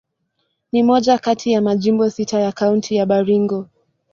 Ni moja kati ya majimbo sita ya Kaunti ya Baringo.